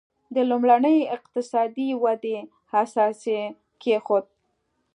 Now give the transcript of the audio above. د لومړنۍ اقتصادي ودې اساس یې کېښود.